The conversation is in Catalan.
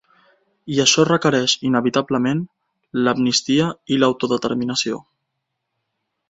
I això requereix inevitablement l’amnistia i l’autodeterminació.